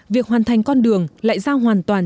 việc hoàn thành con đường lại giao hoàn toàn